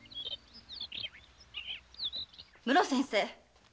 ・室先生。